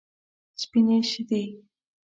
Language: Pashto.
سپینې شیدې.